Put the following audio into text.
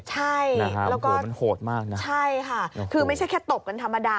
ใช่แล้วก็ใช่ค่ะคือไม่ใช่แค่ตบกันธรรมดา